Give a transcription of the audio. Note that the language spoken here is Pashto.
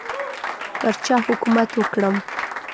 پر چا حکومت وکړم.